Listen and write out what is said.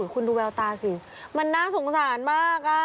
คุณดูแววตาสิมันน่าสงสารมาก